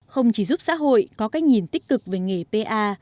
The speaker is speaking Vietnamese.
không chỉ giúp xã hội có cách nhìn tích cực về nghề pa